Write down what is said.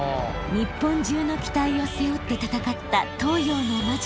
日本中の期待を背負って戦った東洋の魔女。